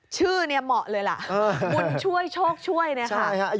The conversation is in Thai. ชื่อนี้เหมาะเลยล่ะวุญช่วยโชคช่วย